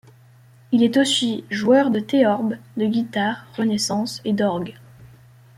Il est aussi joueur de théorbe, de guitare renaissance et d'orgue.